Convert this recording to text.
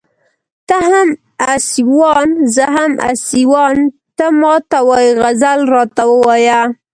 ته هم اسيوان زه هم اسيوان ته ما ته وايې غزل راته ووايه